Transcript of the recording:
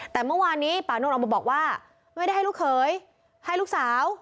แต่เมื่อวานนี้ปานวดออกมาบอกว่าไม่ได้ให้ลูกเขยให้ลูกสาว